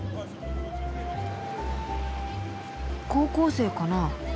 高校生かな？